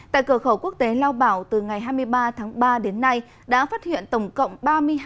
tại cửa khẩu quốc tế lao bảo từ ngày hai mươi ba tháng ba đến nay đã phát hiện tổng cộng ba mươi hai trường hợp nhập cảnh trái phép